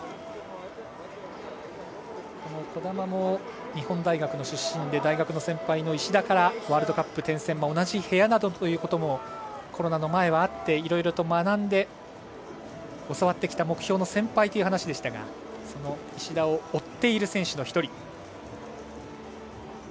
児玉も日本大学の出身で大学の先輩の石田からワールドカップの転戦などでは同じ部屋ということもあってコロナの前はあっていろいろと学んで教わってきた目標の先輩という話でしたがその石田を追っている選手の１人。